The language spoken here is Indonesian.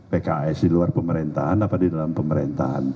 pks di luar pemerintahan apa di dalam pemerintahan